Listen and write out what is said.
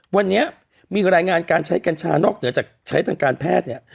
วันนี้มีรายงานการใช้กัญชานอกเหนือจากใช้ทางการแพทย์เนี่ย